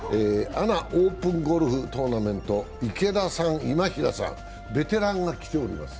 ＡＮＡオープンゴルフトーナハント、池田さん、今平さん、ベテランが来ております。